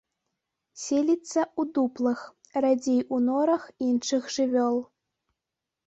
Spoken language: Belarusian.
Селіцца ў дуплах, радзей у норах іншых жывёл.